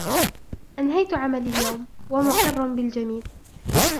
انهيت عملي اليوم ، و مقر بالجميل.